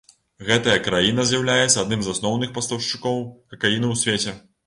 Гэтая краіна з'яўляецца адным з асноўных пастаўшчыком какаіну ў свеце.